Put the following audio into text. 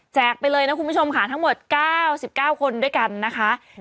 ไปเลยนะคุณผู้ชมค่ะทั้งหมด๙๙คนด้วยกันนะคะ